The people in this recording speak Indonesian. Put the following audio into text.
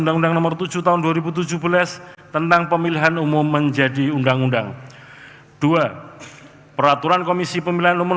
dan penetapan calon terpilih dalam pemilihan umum